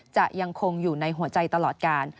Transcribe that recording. จะยังคงอยู่ในหัวใจตลอดกาล